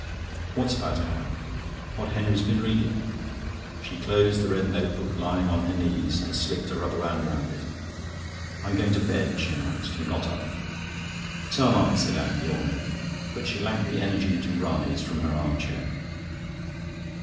"What's about a ham?" "What Henry has been reading." She closed the red notebook lying on her knees and slipped a rubber band round it. "I'm going to bed," she announced, and got up. "So am I," said Anne, yawning. But she lacked the energy to rise from her arm chair.